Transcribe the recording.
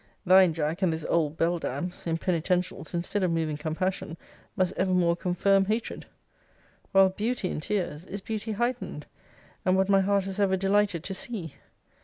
Thine, Jack, and this old beldam's, in penitentials, instead of moving compassion, must evermore confirm hatred; while beauty in tears, is beauty heightened, and what my heart has ever delighted to see.